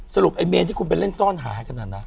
สรุปไอ้เมนที่คุณไปเล่นซ่อนหาให้ขนาดนั้นนะ